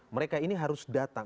mereka ini harus datang